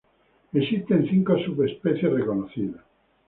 Existen cinco subespecies reconocidas.